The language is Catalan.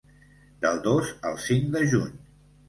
Del dos al cinc de juny.